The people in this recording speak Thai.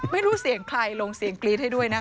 ไม่รู้เสียงใครลงเสียงกรี๊ดให้ด้วยนะคะ